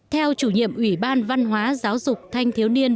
theo chủ nhiệm ủy ban văn hóa giáo dục thanh thiếu niên